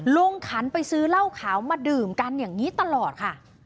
ขันไปซื้อเหล้าขาวมาดื่มกันอย่างนี้ตลอดค่ะ